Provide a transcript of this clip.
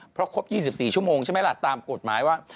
เพราะครบ๒๔ชั่วโมงใช่ไหมล่ะตามกฎหมายว่า